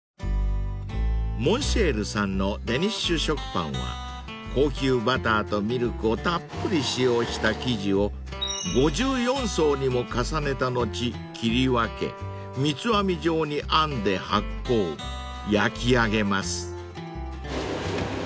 ［モンシェールさんのデニッシュ食パンは高級バターとミルクをたっぷり使用した生地を５４層にも重ねた後切り分け三つ編み状に編んで発酵焼き上げます］